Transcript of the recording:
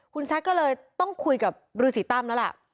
คุณแซคก็เลยต้องคุยกับรือสีตั้มแล้วล่ะ